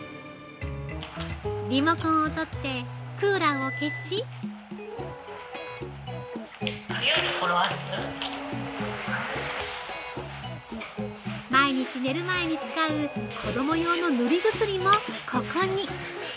リモコンを取ってクーラーを消し◆毎日寝る前に使う子供用の塗り薬もここに！